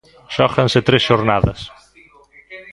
Xóganse tres xornadas.